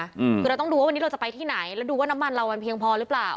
คือเราต้องดูว่าวันนี้เราจะไปที่ไหนแล้วดูว่าน้ำมันเรามันเพียงพอหรือเปล่า